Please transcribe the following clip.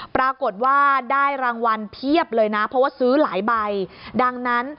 ปรากฏว่าได้รางวัลเพียบเลยนะเพราะว่าซื้อหลายใบดังนั้น